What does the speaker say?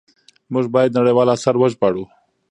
موږ بايد نړيوال آثار وژباړو.